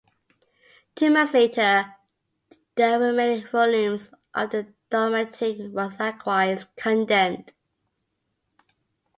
Two months later, the remaining volumes of the "Dogmatik" were likewise condemned.